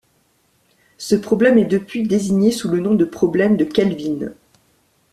Ce problème est depuis désigné sous le nom de problème de Kelvin.